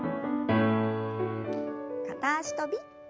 片脚跳び。